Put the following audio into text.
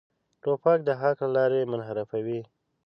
توپک د حق له لارې منحرفوي.